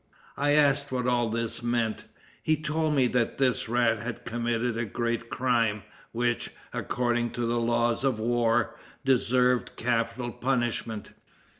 I asked what all this meant. He told me that this rat had committed a great crime, which, according to the laws of war, deserved capital punishment.